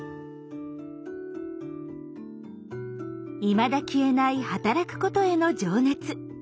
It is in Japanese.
いまだ消えない働くことへの情熱。